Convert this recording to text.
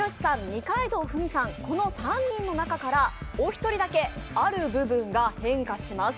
二階堂ふみさん、この３人の中からお一人だけある部分が変化します。